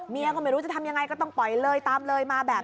ก็ไม่รู้จะทำยังไงก็ต้องปล่อยเลยตามเลยมาแบบ